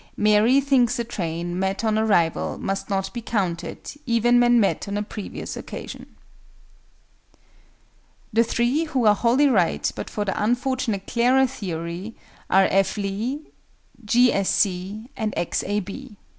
MARY thinks a train, met on arrival, must not be counted, even when met on a previous occasion. The 3, who are wholly right but for the unfortunate "Clara" theory, are F. LEE, G. S. C., and X. A. B.